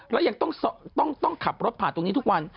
แล้วยังต้องขับรถผ่านตรงนี้ทุกวัน